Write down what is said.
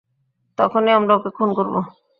তখনই আমরা ওকে খুন করব।